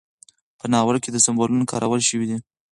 په ناول کې سمبولونه کارول شوي دي.